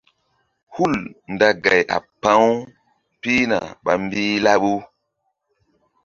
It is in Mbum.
Hul nda gay a pa̧-u pihna ɓa mbih laɓu.